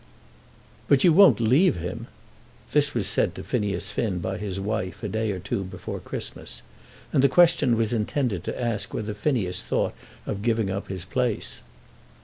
"But you won't leave him?" This was said to Phineas Finn by his wife a day or two before Christmas, and the question was intended to ask whether Phineas thought of giving up his place.